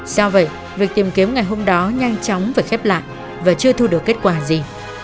do vậy việc tìm kiếm ngày hôm đó nhanh chóng phải khép lại và chưa thu được kết quả gì